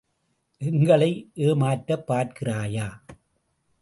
எங்களை ஏமாற்றப் பார்கிறாயா?